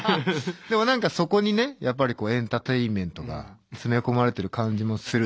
でも何かそこにねやっぱりエンターテインメントが詰め込まれてる感じもする。